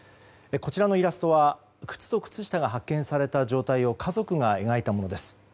こちらのイラストは靴と靴下が発見された状態を家族が描いたものです。